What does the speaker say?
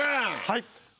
はい！